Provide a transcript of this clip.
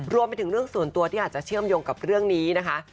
รวมไปถึงเรื่องส่วนตัวที่อาจจะเชื่อมโยงกับเรื่องนี้นะคะ